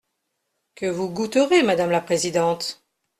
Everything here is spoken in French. …que vous goûterez, madame la présidente.